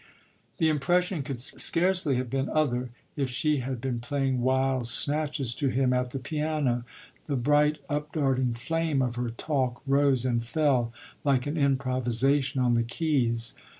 The impression could scarcely have been other if she had been playing wild snatches to him at the piano: the bright up darting flame of her talk rose and fell like an improvisation on the keys.